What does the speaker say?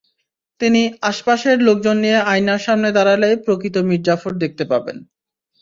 তিনি আশপাশের লোকজন নিয়ে আয়নার সামনে দাঁড়ালেই প্রকৃত মীরজাফর দেখতে পাবেন।